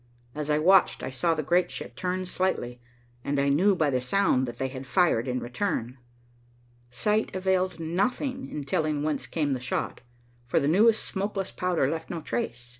As I watched, I saw the great ship turn slightly, and I knew by the sound that they had fired in return. Sight availed nothing in telling whence came the shot, for the newest smokeless powder left no trace.